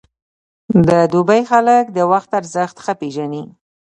د دوبی خلک د وخت ارزښت ښه پېژني.